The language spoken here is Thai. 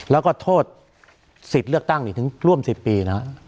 แล้วก็โทษสิทธิ์เลือกตั้งนี่ถึงร่วม๑๐ปีนะฮะ